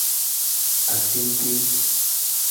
Asentii.